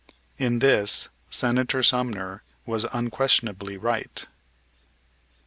In this Senator Sumner was unquestionably right.